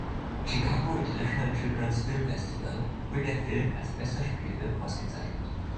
Chicago International Children’s Film Festival“ wurde der Film als „Bester Spielfilm“ ausgezeichnet.